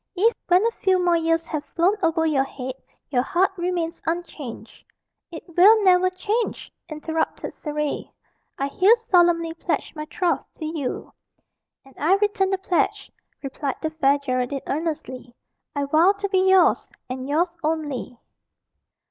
If, when a few more years have flown over your head, your heart remains unchanged." "It will never change!" interrupted Surrey. "I here solemnly pledge my troth to you." "And I return the pledge," replied the Fair Geraldine earnestly. "I vow to be yours, and yours only."